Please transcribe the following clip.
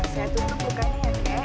saya tutup kesini